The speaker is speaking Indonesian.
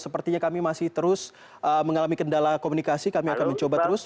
sepertinya kami masih terus mengalami kendala komunikasi kami akan mencoba terus